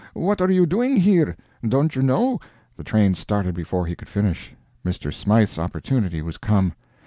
What are you doing here? Don't you know " The train started before he could finish. Mr. Smythe's opportunity was come.